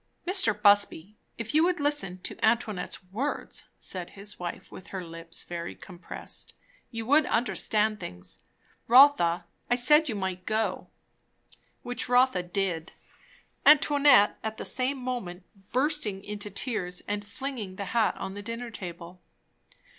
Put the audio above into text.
"Mr. Busby, if you would listen to Antoinette's words," said his wife with her lips very compressed, "you would understand things. Rotha, I said you might go." Which Rotha did, Antoinette at the same moment bursting into tears and flinging the hat on the dinner table.